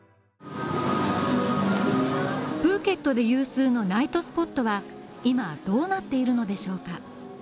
プーケットで有数のナイトスポットは今どうなっているのでしょうか？